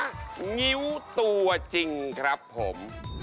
งิ้วตัวจริงครับผม